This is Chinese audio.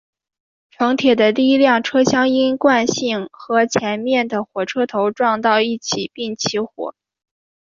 城铁的第一辆车厢因惯性和前面的火车头撞到一起并起火。